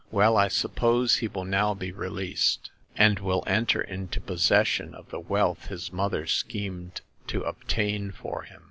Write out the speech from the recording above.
Well, I suppose he will now be released and will enter into possession of the wealth his mother schemed to obtain for him.